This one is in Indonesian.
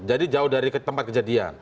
jadi jauh dari tempat kejadian